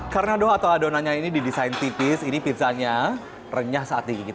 karena adonannya ini didesain tipis ini pizzanya renyah saat digigit